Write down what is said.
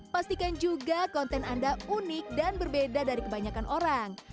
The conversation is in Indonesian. pastikan juga konten anda unik dan berbeda dari kebanyakan orang